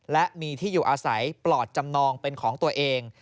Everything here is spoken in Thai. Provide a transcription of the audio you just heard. และมีที่อยู่อาศัยปลอดจำนองเป็นของตัวเอง